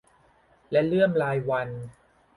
และเลื่อมลายวรรณ